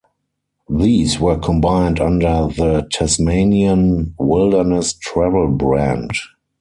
These were combined under the Tasmanian Wilderness Travel brand.